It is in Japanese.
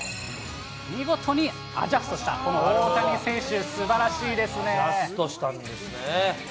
見事にアジャストした、この大谷アジャストしたんですね。